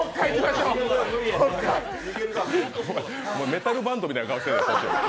お前、メタルバンドみたいな顔してんな。